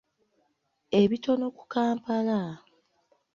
Ebitono ku Kampala.